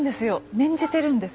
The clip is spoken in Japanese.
念じてるんです。